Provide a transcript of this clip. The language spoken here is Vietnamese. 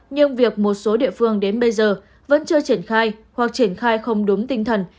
nhưng việc một số địa phương đến bây giờ vẫn chưa triển khai hoặc triển khai không đúng tinh thần